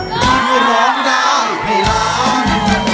เพราะร้องได้ให้ร้าง